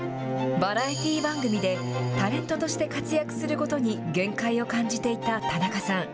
バラエティー番組でタレントとして活躍することに限界を感じていた田中さん。